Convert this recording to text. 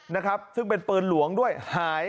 อำเภอโพธาราม